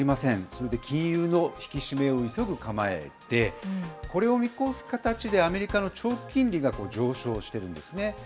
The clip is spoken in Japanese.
それで金融の引き締めを急ぐ構えで、これを見越す形で、アメリカの長期金利が上昇してるんですね。